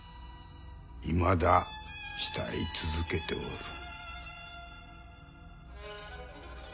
いまだ慕い続けておる。